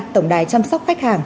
tổng đài chăm sóc khách hàng